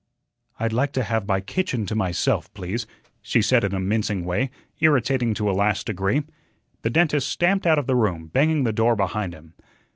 "I'd like to have my kitchen to myself, please," she said in a mincing way, irritating to a last degree. The dentist stamped out of the room, banging the door behind him.